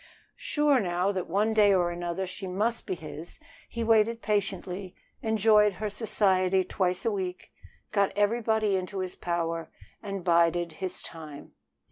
Sure now that one day or another she must be his, he waited patiently, enjoyed her society twice a week, got everybody into his power, and bided his time.